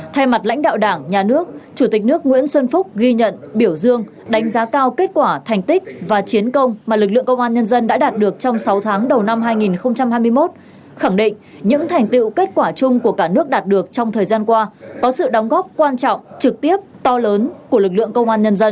thay mặt lãnh đạo đảng nhà nước chủ tịch nước nguyễn xuân phúc ghi nhận biểu dương đánh giá cao kết quả thành tích và chiến công mà lực lượng công an nhân dân đã đạt được trong sáu tháng đầu năm hai nghìn hai mươi một khẳng định những thành tiệu kết quả chung của cả nước đạt được trong thời gian qua có sự đóng góp quan trọng trực tiếp to lớn của lực lượng công an nhân dân